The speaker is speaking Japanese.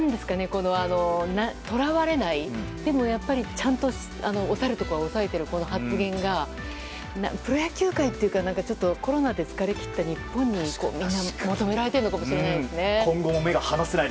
捉われないでもちゃんと押さえるところは押さえている発言がプロ野球界というかコロナで疲れ切った日本に求められてるのかもしれないですね。